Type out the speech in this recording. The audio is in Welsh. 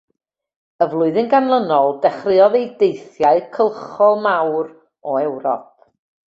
Y flwyddyn ganlynol dechreuodd ei “deithiau cylchol mawr” o Ewrop.